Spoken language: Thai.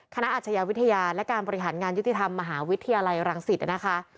อาชญาวิทยาและการบริหารงานยุติธรรมมหาวิทยาลัยรังสิตนะคะ